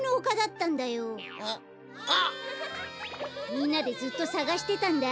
みんなでずっとさがしてたんだ。